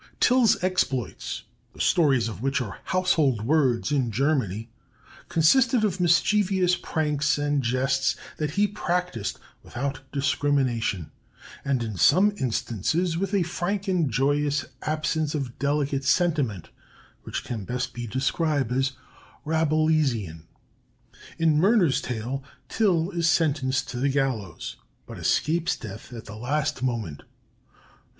Till's exploits, the stories of which are household words in Germany, consisted of mischievous pranks and jests that he practised without discrimination and, in some instances, with a frank and joyous absence of delicate sentiment which can best be described as Rabelaisean. In Murner's tale, Till is sentenced to the gallows, but escapes death at the last moment.